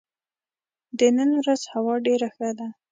د نن ورځ هوا ډېره ښه ده.